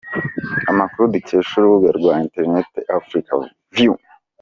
Amakuru dukesha urubuga rwa internet africareview.